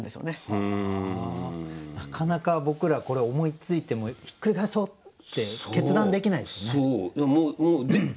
なかなか僕らこれ思いついてもひっくり返そうって決断できないですよね。